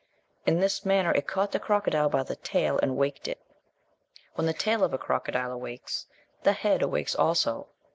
In this manner it caught the crocodile by the tail and waked it. When the tail of a crocodile awakes the head awakes also.